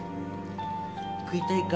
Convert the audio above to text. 食いたいか？